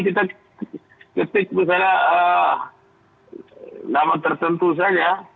kita ketik misalnya nama tertentu saja